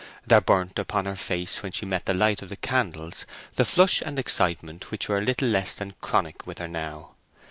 There burnt upon her face when she met the light of the candles the flush and excitement which were little less than chronic with her now.